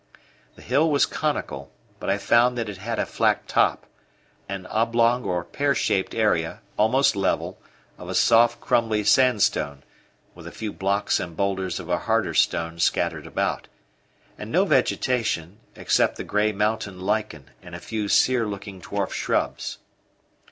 The hill was conical, but I found that it had a flat top an oblong or pear shaped area, almost level, of a soft, crumbly sandstone, with a few blocks and boulders of a harder stone scattered about and no vegetation, except the grey mountain lichen and a few sere looking dwarf shrubs.